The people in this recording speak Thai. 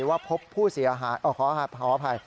ว่าพบผู้เสียหายขออภัย